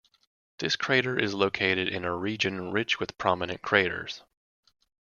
This crater is located in a region rich with prominent craters.